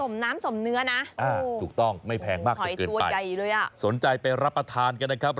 ส่มน้ำส่มเนื้อนะถูกต้องไม่แพงมากถูกเกินไปสนใจไปรับประทานกันนะครับ